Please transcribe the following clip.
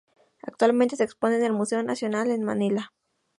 Actualmente se expone en el Museo Nacional en Manila.